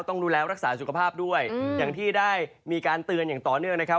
ต้องดูแลรักษาสุขภาพด้วยอย่างที่ได้มีการเตือนอย่างต่อเนื่องนะครับ